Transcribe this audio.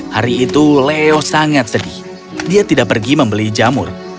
hari itu leo sangat sedih dia tidak pergi membeli jamur